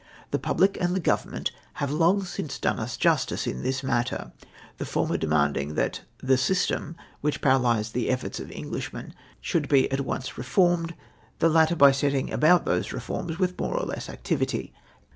The public and the Government have long since done us justice in this matter, tlie former by demanding that ' the system ' which paralysed the efforts of Englishmen should be at once reformed, the latter by setting about those reforms with more or less activity.